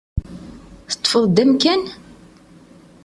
Teṭṭfeḍ-d amkan?